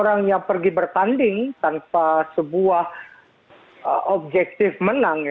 tidak ada yang pergi bertanding tanpa sebuah objektif menang ya